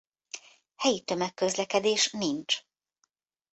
Helyi tömegközlekedés nincs.